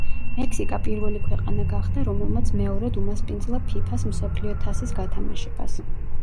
მექსიკა პირველი ქვეყანა გახდა, რომელმაც მეორედ უმასპინძლა ფიფა-ს მსოფლიო თასის გათამაშებას.